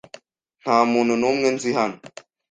Nta muntu n'umwe nzi hano.